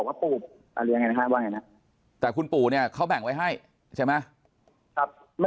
แต่ว่าคุณปู่เนี่ยเขาแบ่งไว้ให้ใช่ไหม